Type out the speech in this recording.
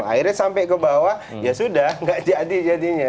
akhirnya sampai ke bawah ya sudah nggak jadi jadinya